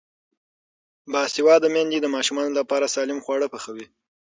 باسواده میندې د ماشومانو لپاره سالم خواړه پخوي.